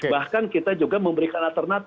bahkan kita juga memberikan alternatif